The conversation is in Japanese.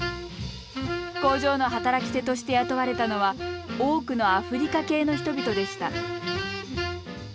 工場の働き手として雇われたのは多くのアフリカ系の人々でした。